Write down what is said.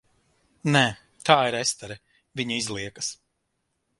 Nē. Tā ir Estere, viņa izliekas.